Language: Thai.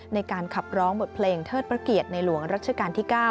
ในการขับร้องบทเพลงเทิดพระเกียรติในหลวงรัชกาลที่๙